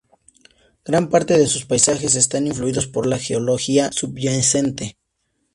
Gran parte de sus paisajes están influidos por la geología subyacente.